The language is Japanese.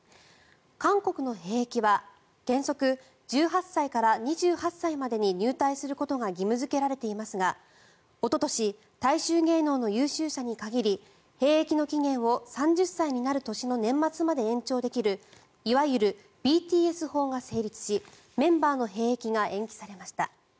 韓国の兵役は原則１８歳から２８歳までに入隊することが義務付けられていますがおととし大衆芸能の優秀者に限り兵役の期限を３０歳になる年の年末まで延長できるいわゆるＢＴＳ法が成立しメンバーの兵役が延期されました。